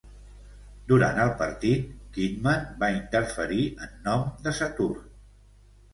Durant el partit, Kidman va interferir en nom de Saturn.